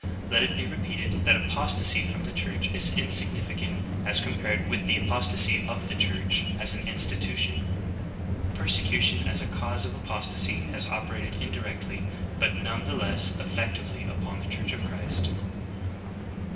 Let it be repeated that apos tasy from the Church is insignificant as compared with the apostasy of the Church as an institution. Persecution as a cause of apostasy has operated indirectly but none the less eggctively upon the Church of Christ."